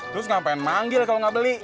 terus ngapain manggil kalau nggak beli